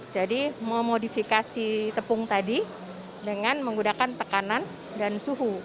memodifikasi tepung tadi dengan menggunakan tekanan dan suhu